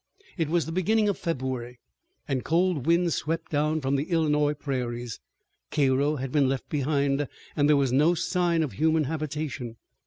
It was the beginning of February, and cold winds swept down from the Illinois prairies. Cairo had been left behind and there was no sign of human habitation.